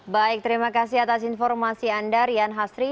baik terima kasih atas informasi anda rian hasri